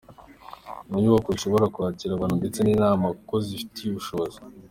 Ni inyubako zishobora kwakira abantu ndetse n’inama kuko zibifitiye ubushobozi.